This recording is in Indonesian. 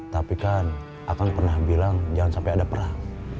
tapi kan akan pernah bilang jangan sampai ada perang